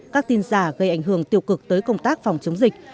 các tin giả gây ảnh hưởng tiêu cực tới công tác phòng chống dịch